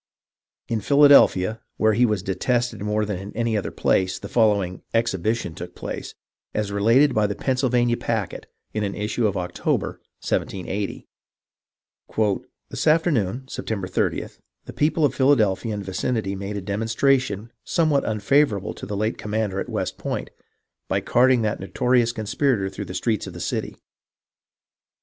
In Philadelphia, where he was detested more than in any other place, the following " exhibition " took place, as related by the Pennsylvania Packet, in an issue of October, 1780 :—" This afternoon (Sept. 30) the people of Philadelphia and vicinity made a demonstration somewhat unfavourable to the late commander at West Point, by carting that noto rious conspirator through the streets of the city.